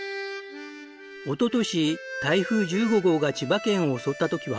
おととし台風１５号が千葉県を襲った時は。